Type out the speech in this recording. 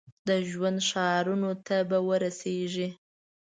د ژوند ښارونو ته به ورسیږي ؟